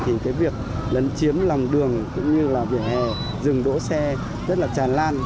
thì cái việc lấn chiếm lòng đường cũng như là vỉa hè dừng đỗ xe rất là tràn lan